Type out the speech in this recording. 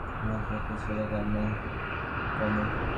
কী আছে আমার, কী দিতে পারি যাতে মানুষের ছেলের কান্না কমে!